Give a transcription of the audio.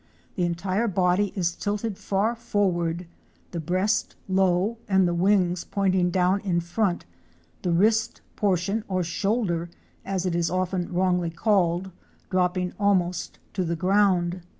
The entire body is tilted far forward, the breast low and the wings pointing down in front, the wrist portion, or shoulder as it is often wrongly called, dropping almost to the ground.